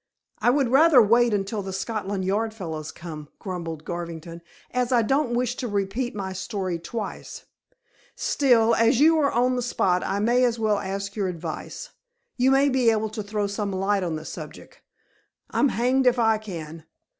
"I would rather wait until the Scotland Yard fellows come," grumbled Garvington, "as I don't wish to repeat my story twice. Still, as you are on the spot, I may as well ask your advice. You may be able to throw some light on the subject. I'm hanged if I can."